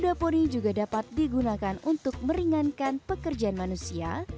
kuda poni juga dapat digunakan untuk meringankan pekerjaan manusia